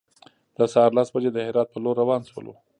د سهار لس بجې د هرات په لور روان شولو.